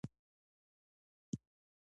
احرامونه مو وتړل او په بس کې کیناستو.